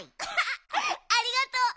アハありがとう